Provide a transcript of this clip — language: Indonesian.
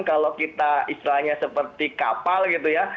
kalau kita istilahnya seperti kapal gitu ya